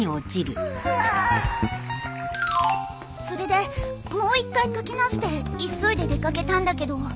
それでもう一回書き直して急いで出掛けたんだけど。